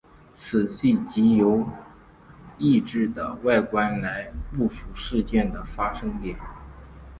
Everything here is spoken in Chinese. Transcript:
此系藉由异质的外观来部署事件的发生点。